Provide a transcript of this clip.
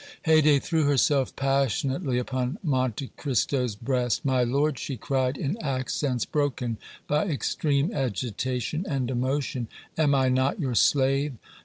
Haydée threw herself passionately upon Monte Cristo's breast. "My lord," she cried, in accents broken by extreme agitation and emotion, "am I not your slave?"